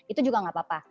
itu juga nggak apa apa